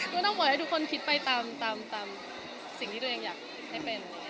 ต้องปล่อยให้ทุกคนคิดไปตามสิ่งที่ตัวเองอยากให้เป็น